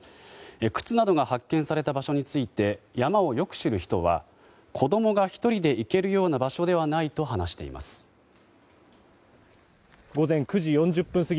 靴などが発見された場所について山をよく知る人は子供が１人で行けるような場所ではないと話しています。